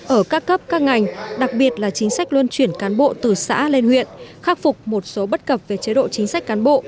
ở các cấp các ngành đặc biệt là chính sách luân chuyển cán bộ từ xã lên huyện khắc phục một số bất cập về chế độ chính sách cán bộ